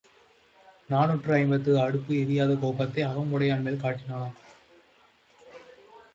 நாநூற்று ஐம்பத்தைந்து அடுப்பு எரியாத கோபத்தை அகமுடையான்மேல் காட்டினாளாம்.